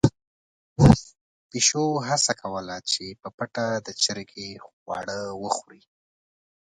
پيشو هڅه کوله چې په پټه د چرګې خواړه وخوري.